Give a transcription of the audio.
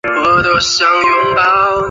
两年后任解放军总后勤部副部长。